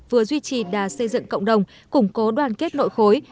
vừa duy trì đà xây dựng cộng đồng củng cố đoàn kết nội khối